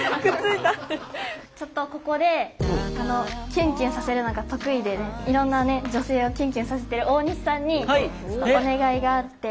ちょっとここでキュンキュンさせるのが得意でいろんな女性をキュンキュンさせてる大西さんにちょっとお願いがあって。